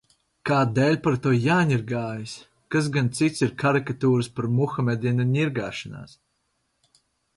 Kādēļ par to jāņirgājas? Kas gan cits ir karikatūras par Muhamedu, ja ne ņirgāšanās?